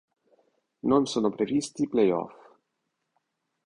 Non sono previsti playoff.